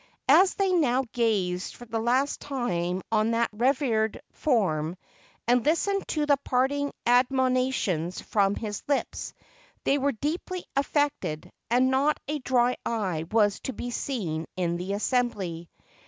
As they now gazed for the last time on that revered form, and listened to the parting admonitions 496 THE ABDICATION OF CHARLES from his lips, they were deeply affected, and not a dry eye was to be seen in the assembly.